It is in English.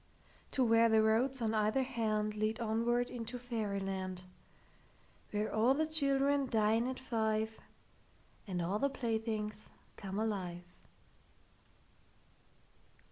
To where the roads on either handLead onward into fairy land, Where all the children dine at five, And all the playthings come alive.